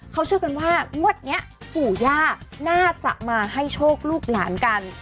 เขาเชื่อกันว่างวดนี้ปู่ย่าน่าจะมาให้โชคลูกหลานกัน